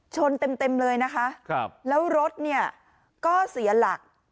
ชนเต็มเลยนะคะแล้วรถเนี่ยก็เสียหลัก